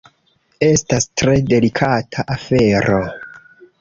Estas tre delikata afero.